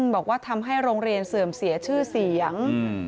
บอกว่าทำให้โรงเรียนเสื่อมเสียชื่อเสียง